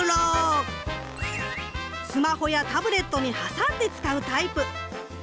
スマホやタブレットに挟んで使うタイプ。